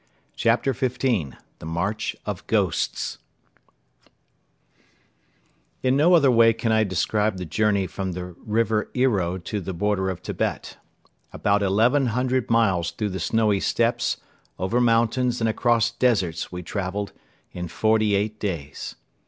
CHAPTER XV THE MARCH OF GHOSTS In no other way can I describe the journey from the River Ero to the border of Tibet. About eleven hundred miles through the snowy steppes, over mountains and across deserts we traveled in forty eight days.